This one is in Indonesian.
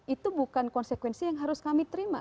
itu bukan konsekuensi yang harus kami terima